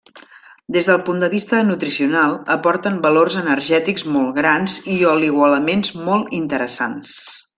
Des del punt de vista nutricional aporten valors energètics molt grans i oligoelements molt interessants.